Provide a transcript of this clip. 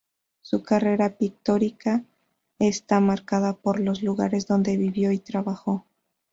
Su carrera pictórica está marcada por los lugares donde vivió y trabajó.